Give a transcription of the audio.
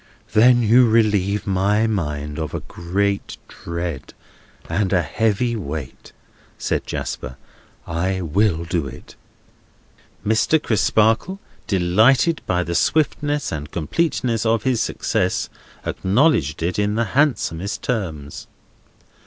"Then you relieve my mind of a great dread, and a heavy weight," said Jasper; "I will do it." Mr. Crisparkle, delighted by the swiftness and completeness of his success, acknowledged it in the handsomest terms.